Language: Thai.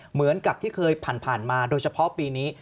เหมือนกับที่เคยผ่านมาโดยเฉพาะปีนี้